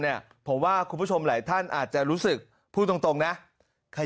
เนี่ยผมว่าคุณผู้ชมหลายท่านอาจจะรู้สึกพูดตรงนะใคร